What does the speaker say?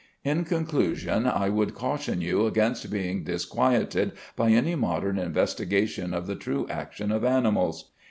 In conclusion, I would caution you against being disquieted by any modern investigation of the true action of animals.